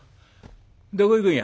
どこ行くんや？」。